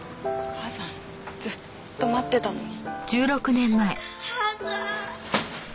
母さんずっと待ってたのに！